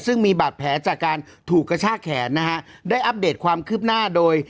ซึ่งมีบาดแผลจากการถูกกระชากแขนนะฮะได้อัปเดตความคืบหน้าโดย